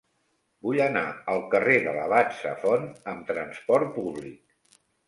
Vull anar al carrer de l'Abat Safont amb trasport públic.